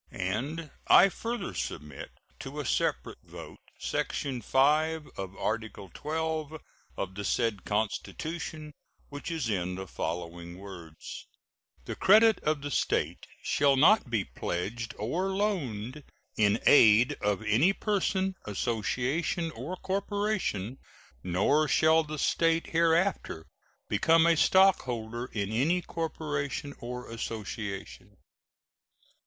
And I further submit to a separate vote section 5 of Article XII of the said constitution, which is in the following words: The credit of the State shall not be pledged or loaned in aid of any person, association, or corporation; nor shall the State hereafter become a stockholder in any corporation or association.